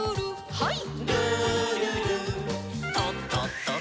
はい。